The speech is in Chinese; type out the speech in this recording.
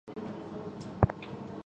加尔希济人口变化图示